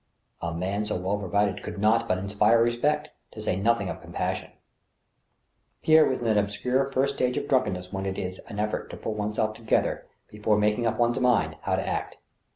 A man so well provided could not but inspire respect, to say nothing of compassion. Pierre was in that obscure first stage of drunkenness when it is an effort.to pull one's self together before making up one's mind how to act.